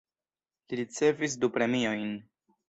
Li ricevis du premiojn.